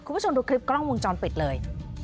คุณผู้ชมดูคลิปกล้องวงจรปิดเลย